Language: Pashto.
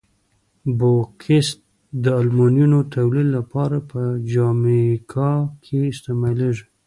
بوکسیت د المونیمو تولید لپاره په جامیکا کې استعمالیږي.